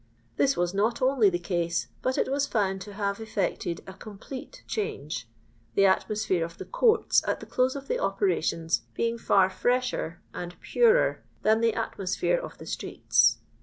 This was not only the case, but it was found to have effected a complete change; the atmosphere of the courts at the close of the operations being far fresher and purer than the atmosphere of the streets.